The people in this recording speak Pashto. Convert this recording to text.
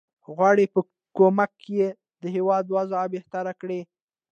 غواړي په کومک یې د هیواد وضع بهتره کړي.